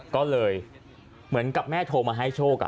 ก็เลยเหมือนกับแม่โทรมาให้โชค